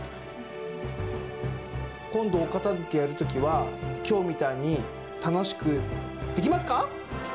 こんどおかたづけやるときはきょうみたいにたのしくできますか！？